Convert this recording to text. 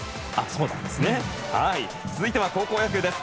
続いては高校野球です。